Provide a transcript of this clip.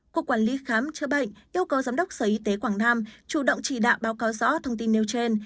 cục quản lý khám chữa bệnh yêu cầu giám đốc sở y tế quảng nam chủ động chỉ đạo báo cáo rõ thông tin nêu trên